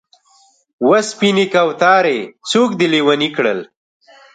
و سپینې کوترې! څوک دې لېونی کړل؟